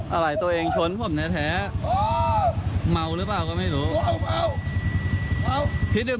ไอวี้ดรอย่างแหล่นภูมิว่าชลงทางเติมจากความกำลังขับสุข